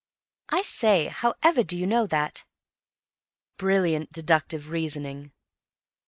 "I say, however do you know that?" "Brilliant deductive reasoning.